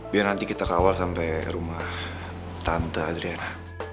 biar nanti kita ke awal sampai rumah tante adriana